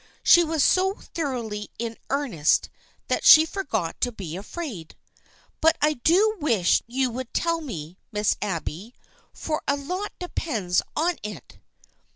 She was so thoroughly in earnest that she forgot to be afraid. " But I do wish you would tell me, Miss Abby, for a lot de pends on it."